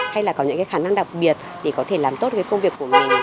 hay là có những cái khả năng đặc biệt để có thể làm tốt cái công việc của mình